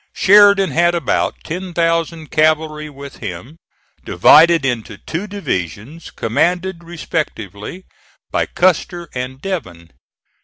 Sheridan had about ten thousand cavalry with him, divided into two divisions commanded respectively by Custer and Devin.